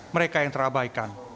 mereka yang terabaikan